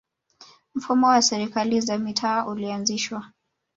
mfumo wa serikali za mitaa ulianzishwa